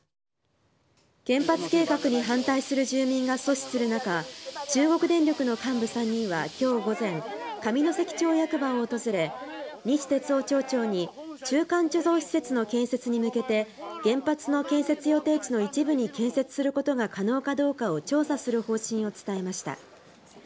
原発計画に反対する住民が阻止する中中国電力の幹部３人は今日午前上関町役場を訪れ西哲夫町長に中間貯蔵施設の建設に向けて原発の建設予定地の一部に建設することが可能かどうかを調査する方針を伝えました。